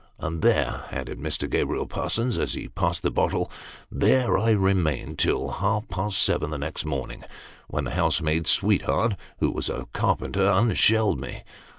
And there," added Mr. Gabriel Parsons, as he passed the bottle, " there I remained till half past seven the next morning, when the housemaid's sweetheart, who was a carpenter, unshelled me.